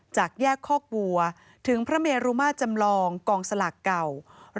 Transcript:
จากแยกคอกวัวถึงพระเมรุมาจำลองลานคนเมือง